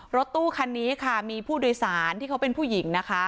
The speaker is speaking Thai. รถตู้คันนี้ค่ะมีผู้โดยสารที่เขาเป็นผู้หญิงนะคะ